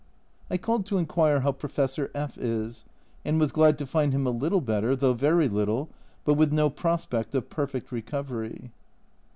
I called to inquire how Professor F is, and was glad to find him a little better, though very little, but with no prospect of perfect recovery.